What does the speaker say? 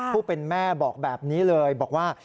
ผู้เป็นแม่บอกแบบนี้เลยบอกว่า